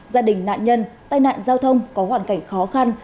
gia đình nạn nhân tai nạn giao thông có hoàn cảnh khó khăn